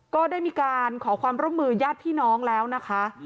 ก็ได้มีการขอความร่วมมือญาติพี่น้องแล้วนะคะ